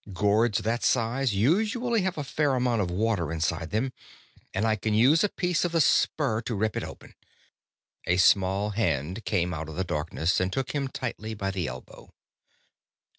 Gourds that size usually have a fair amount of water inside them and I can use a piece of the spur to rip it open " A small hand came out of the darkness and took him tightly by the elbow.